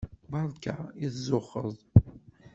Beṛka i tzuxxeḍ.